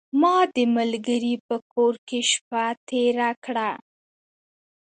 ما د ملګري په کور کې شپه تیره کړه .